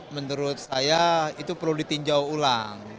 menurut saya itu perlu ditinjau ulang